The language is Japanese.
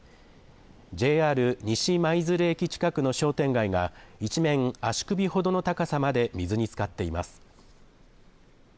ＪＲ西舞鶴駅近くの商店街が一面、足首ほどの高さまで水につかっています。